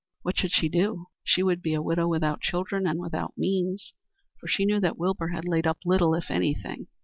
What should she do? She would be a widow without children and without means, for she knew that Wilbur had laid up little if anything.